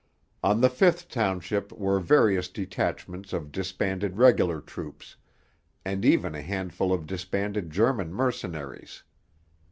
On the fifth township were various detachments of disbanded regular troops, and even a handful of disbanded German mercenaries.